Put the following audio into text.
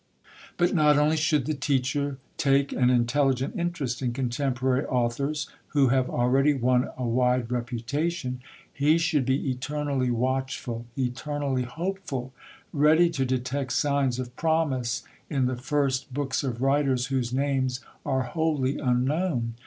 But not only should the teacher take an intelligent interest in contemporary authors who have already won a wide reputation, he should be eternally watchful, eternally hopeful ready to detect signs of promise in the first books of writers whose names are wholly unknown.